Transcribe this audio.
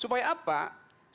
supaya semangat reformasi itu